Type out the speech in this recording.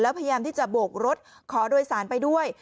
พยายามที่จะโบกรถขอโดยสารไปด้วย